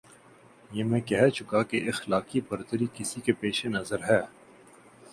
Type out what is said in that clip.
یہ میں کہہ چکا کہ اخلاقی برتری کسی کے پیش نظر ہے۔